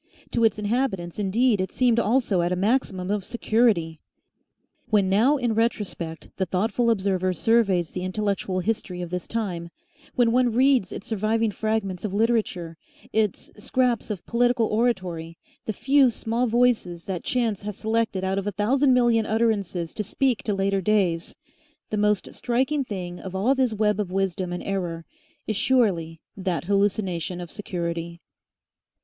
To its inhabitants indeed it seemed also at a maximum of security. When now in retrospect the thoughtful observer surveys the intellectual history of this time, when one reads its surviving fragments of literature, its scraps of political oratory, the few small voices that chance has selected out of a thousand million utterances to speak to later days, the most striking thing of all this web of wisdom and error is surely that hallucination of security.